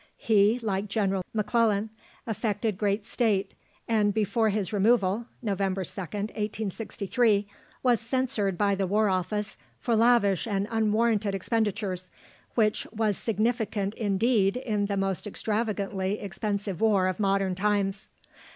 He, like General M'Clellan, affected great state, and before his removal (November 2nd, 1863), was censured by the War Office for lavish and unwarranted expenditures, which was significant indeed in the most extravagantly expensive war of modern times.